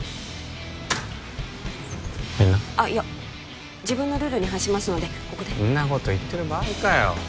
入んなあっいや自分のルールに反しますのでここでんなこと言ってる場合かよ